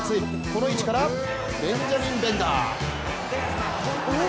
この位置からベンジャミン・ベンダー！